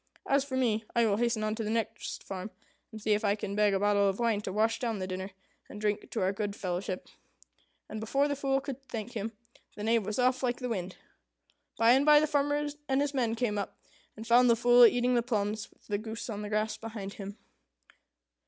As for me, I will hasten on to the next farm, and see if I can beg a bottle of wine to wash down the dinner, and drink to our good fellowship." And before the Fool could thank him, the Knave was off like the wind. By and by the farmer and his men came up, and found the Fool eating the plums, with the goose on the grass beside him.